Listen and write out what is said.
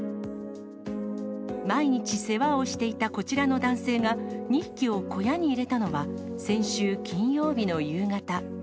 毎日世話をしていたこちらの男性が、２匹を小屋に入れたのは、先週金曜日の夕方。